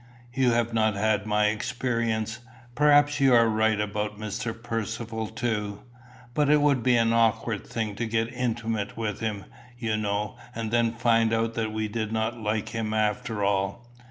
You have not had my experience. Perhaps you are right about Mr. Percivale too. But it would be an awkward thing to get intimate with him, you know, and then find out that we did not like him after all.